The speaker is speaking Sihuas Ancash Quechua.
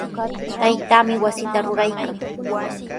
Taytaami wasita ruraykan.